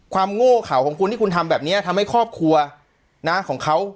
โง่เขาของคุณที่คุณทำแบบนี้ทำให้ครอบครัวนะของเขา